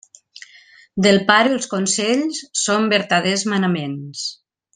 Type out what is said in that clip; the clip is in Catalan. Del pare els consells, són vertaders manaments.